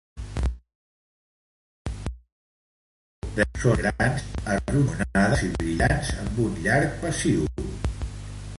Les fulles de color verd fosc són grans, arronyonades i brillants amb un llarg pecíol.